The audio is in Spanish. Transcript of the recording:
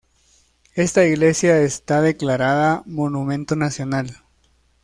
Esta iglesia está declarada Monumento Nacional.